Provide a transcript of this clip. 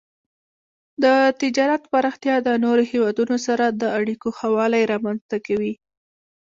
د تجارت پراختیا د نورو هیوادونو سره د اړیکو ښه والی رامنځته کوي.